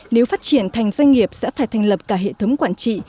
nếu phát triển thành doanh nghiệp sẽ phải thành lập cả hệ thống quản trị